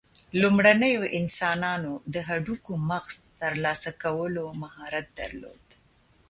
لومړنیو انسانانو د هډوکو مغز ترلاسه کولو مهارت درلود.